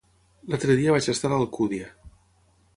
L'altre dia vaig estar a l'Alcúdia.